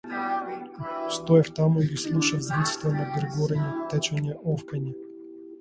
Стоев таму и ги слушав звуците на гргорење, течење, офкање.